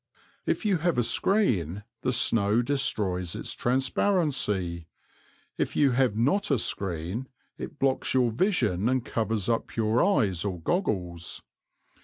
If you have a screen the snow destroys its transparency; if you have not a screen it blocks your vision and covers up your eyes or your goggles.